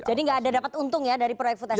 jadi gak ada dapat untung ya dari proyek food estate